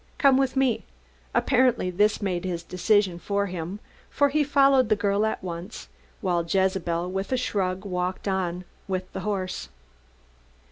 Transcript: Come with me." Apparently this made his decision for him, for he followed the girl at once, while Jezebel with a shrug walked on with the horse.